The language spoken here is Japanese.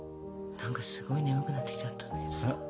何かすごい眠くなってきちゃったんだけどさ。